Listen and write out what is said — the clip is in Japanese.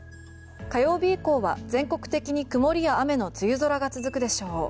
火曜日以降は全国的に曇りや雨の梅雨空が続くでしょう。